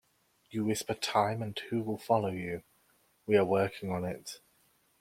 You whisper time and who will follow you?...We are working on it.